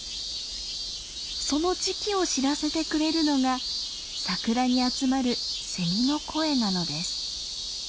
その時期を知らせてくれるのがサクラに集まるセミの声なのです。